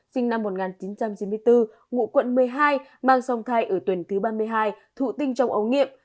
sinh năm một nghìn chín trăm chín mươi bốn ngụ quận một mươi hai mang song thai ở tuần thứ ba mươi hai thụ tinh trong ống nghiệm